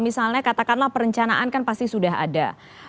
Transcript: misalnya katakanlah perencanaan kan pasti sudah ada